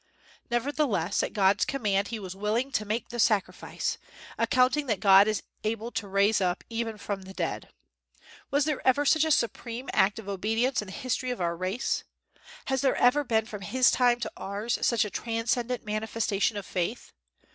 Nevertheless, at God's command he was willing to make the sacrifice, "accounting that God is able to raise up, even from the dead." Was there ever such a supreme act of obedience in the history of our race? Has there ever been from his time to ours such a transcendent manifestation of faith?